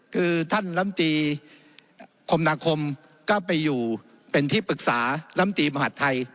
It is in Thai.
คือท่านลำตีคมนาคมก็ไปอยู่เป็นที่ปรึกษาลำตีมหาดไทย